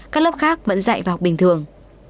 các lớp khác vẫn dạy và học bình thường